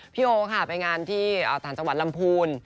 พี่โอวรุธค่ะไปงานที่ตรจลำพูน